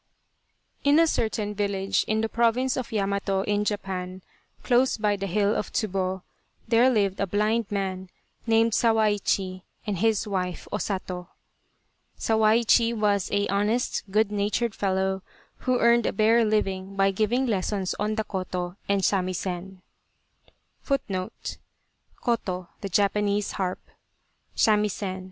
IN a certain village in the province of Yamato in Japan, close by the hill of Tsubo, there lived a blind man named Sawaichi and his wife, O Sato. Sawaichi was a honest, good natured fellow, who earned a bare living by giving lessons on the koto * and samisen.'